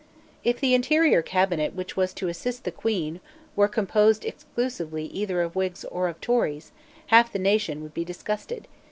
If the interior cabinet which was to assist the Queen were composed exclusively either of Whigs or of Tories, half the nation would be disgusted.